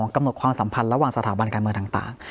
กำหนดความสัมพันธ์ระหว่างสถาบันการเมืองต่าง